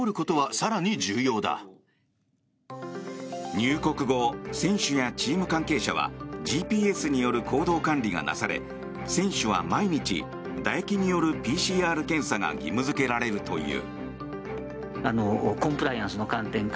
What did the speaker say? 入国後選手やチーム関係者はＧＰＳによる行動管理がなされ選手は毎日だ液によるＰＣＲ検査が義務付けられるという。